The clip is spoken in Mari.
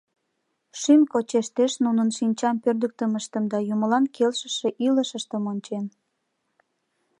– Шӱм кочештеш нунын шинчам пӧрдыктымыштым да юмылан келшыше илышыштым ончен.